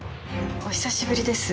お久しぶりです。